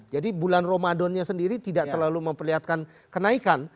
jadi bulan ramadannya sendiri tidak terlalu memperlihatkan kenaikan